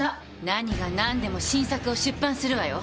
何が何でも新作を出版するわよ。